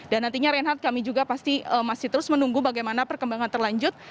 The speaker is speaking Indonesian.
dan nantinya reinhardt kami juga pasti masih terus menunggu bagaimana perkembangan terlanjut